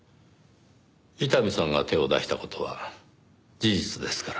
伊丹さんが手を出した事は事実ですから。